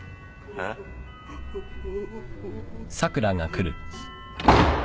あっ。